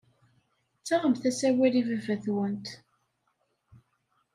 Ttaɣemt-as awal i baba-twent.